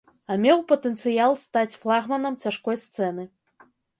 А меў патэнцыял стаць флагманам цяжкой сцэны.